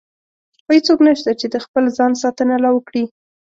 خو هېڅوک نشته چې د خپل ځان ساتنه لا وکړي.